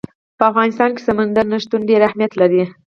په افغانستان کې سمندر نه شتون ډېر اهمیت لري.